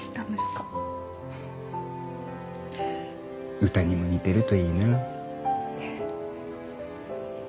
うたにも似てるといいな。